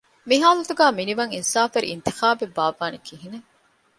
މި ހާލަތުގައި މިނިވަން އިންސާފުވެރި އިންތިޚާބެއް ބާއްވާނީ ކިހިނެއް؟